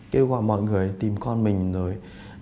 kêu gọi mọi người tìm con mình rồi